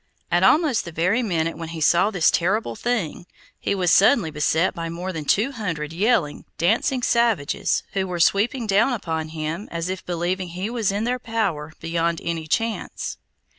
At almost the very minute when he saw this terrible thing, he was suddenly beset by more than two hundred yelling, dancing savages, who were sweeping down upon him as if believing he was in their power beyond any chance.